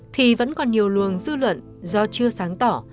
thì vẫn còn nhiều luồng dư luận do chưa sáng tỏ